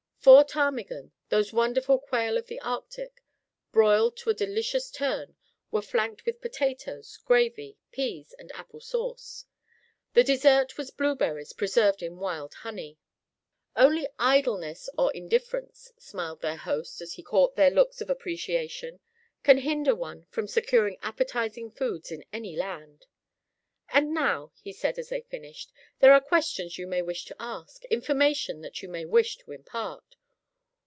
Four ptarmigan, those wonderful "quail of the Arctic," broiled to a delicious turn, were flanked with potatoes, gravy, peas and apple sauce. The desert was blueberries preserved in wild honey. "Only idleness or indifference," smiled their host as he caught their looks of appreciation, "can hinder one from securing appetizing foods in any land." "And now," he said as they finished, "there are questions you may wish to ask; information that you may wish to impart."